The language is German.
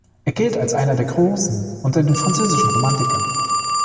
Er gilt als einer der Großen unter den französischen Romantikern.